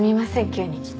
急に来て。